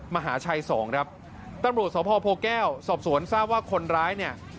มหาชัยสองครับตำรวจสพโพแก้วสอบสวนทราบว่าคนร้ายเนี่ย